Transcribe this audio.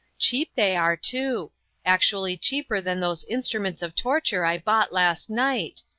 Cheap they are, too. Actually cheaper than those instruments of torture I bought last night.